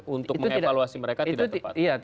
untuk mengevaluasi mereka tidak tepat